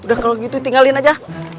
udah kalau gitu tinggalin aja